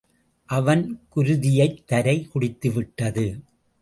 அவன் குருதியைத்தரை குடித்துவிட்டது.